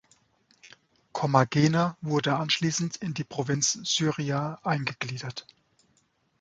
Kommagene wurde anschließend in die Provinz "Syria" eingegliedert.